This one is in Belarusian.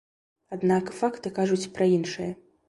Аднак факты кажуць пра іншае.